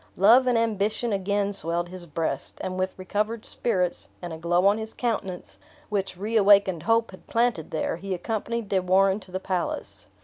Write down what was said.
Love and ambition again swelled his breast; and with recovered spirits, and a glow on his countenance, which reawakened hope had planted there, he accompanied De Warenne to the palace.